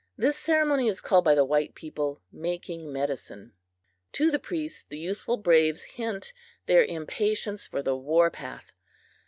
(This ceremony is called by the white people "making medicine.") To the priests the youthful braves hint their impatience for the war path.